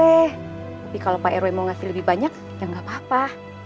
tapi kalau pak rw mau ngasih lebih banyak ya nggak apa apa